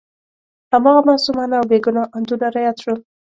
هماغه معصومانه او بې ګناه اندونه را یاد شول.